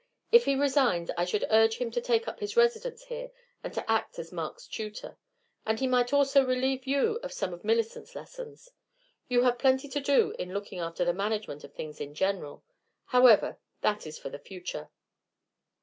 If he resigns I should urge him to take up his residence here and to act as Mark's tutor; and he might also relieve you of some of Millicent's lessons. You have plenty to do in looking after the management of things in general. However, that is for the future."